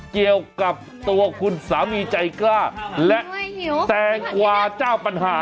เกี่ยวกับตัวคุณสามีใจกล้าและแตงกวาเจ้าปัญหา